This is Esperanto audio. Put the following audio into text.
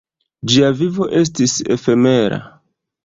Ĝia vivo estis efemera.